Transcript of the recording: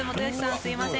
すいません。